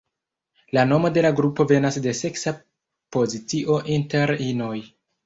La nomo de la grupo venas de seksa pozicio inter inoj.